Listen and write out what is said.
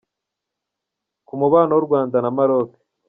Ku mubano w’u Rwanda na Maroc.